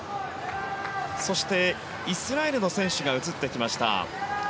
そして、イスラエルの選手が映ってきました。